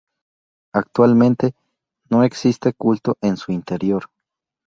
Actualmente, no existe culto en su interior.